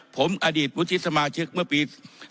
ผมอดีตวุฒิสมาชิกเมื่อปี๒๕๖